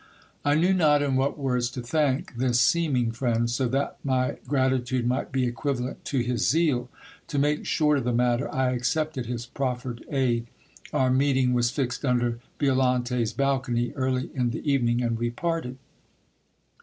I knew not in what words to thank this seeming friend, so that my gratitude might be equivalent to his zeal. To make short of the matter, I accepted his proffered aid. Our meeting was fixed under Violante's balcony early in the evening, and we parted.